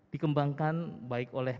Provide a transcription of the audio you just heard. dikembangkan baik oleh